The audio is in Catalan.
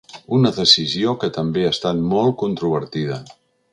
Una decisió que també ha estat molt controvertida.